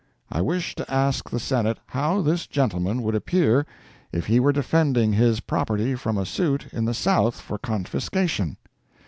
I wish to ask the Senate how this gentleman would appear if he were defending his property from a suit in the South for confiscation?